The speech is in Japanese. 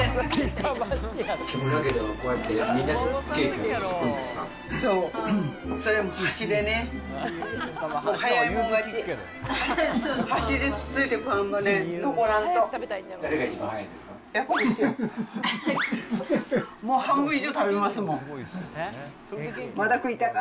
木村家では、こうやってみんなでケーキをつつくんですか。